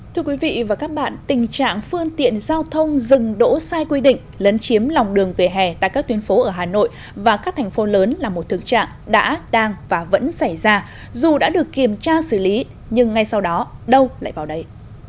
thưa quý vị và các bạn tình trạng phương tiện giao thông dừng đỗ sai quy định lấn chiếm lòng đường về hè tại các tuyến phố ở hà nội và các thành phố lớn là một thực trạng đã đang và vẫn xảy ra dù đã được kiểm tra xử lý nhưng ngay sau đó đâu lại vào đây